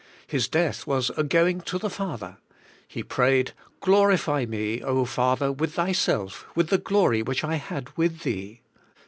His death was a going to the Father. He prayed: * Glorify me, Father, loith Thyself., with the glory which I had with Thee.